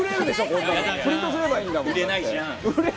プリントすればいいんでしょ。